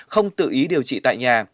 không tự ý điều trị tại nhà